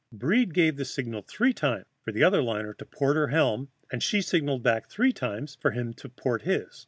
Breed gave the signal three times for the other liner to port her helm, and she signaled back three times for him to port his.